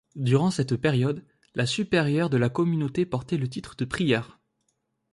Durant cette période, la supérieure de la communauté portait le titre de prieure.